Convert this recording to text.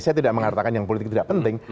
saya tidak mengatakan yang politik tidak penting